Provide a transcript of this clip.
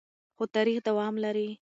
خو تاریخ دوام لري.